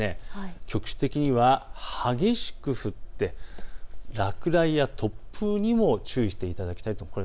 局地的には激しく降って落雷や突風にも注意していただきたいと思います。